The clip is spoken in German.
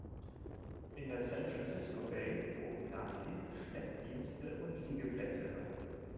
In der San Francisco Bay bot "Nadli" Schleppdienste und Liegeplätze an.